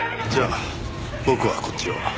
じゃあ僕はこっちを。